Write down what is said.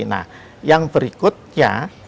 nah yang berikutnya